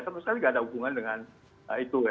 tapi sekali tidak ada hubungan dengan itu ya